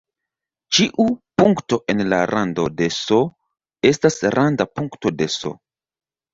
Ĉiu punkto en la rando de "S" estas randa punkto de "S".